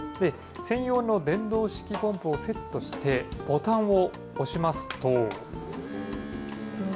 専用の電動式ポンプをセットして、ボタンを押しますと。